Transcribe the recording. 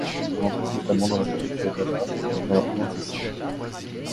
On en trouve notamment dans la préfecture d'Aba, dans la province du Sichuan.